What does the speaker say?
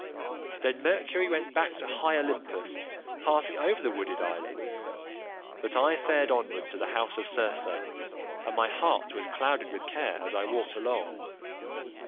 "Then Mercury went back to high Olympus passing over the wooded island; but I fared onward to the house of Circe, and my heart was clouded with care as I walked along.